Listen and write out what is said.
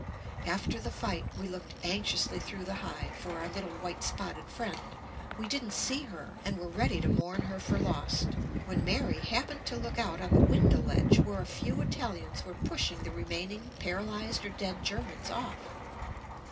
After the fight we looked anxiously through the hive for our little white spotted friend. We didn't see her, and were ready to mourn her for lost, when Mary happened to look out on the window ledge where a few Italians were pushing the remaining paralyzed or dead Germans off.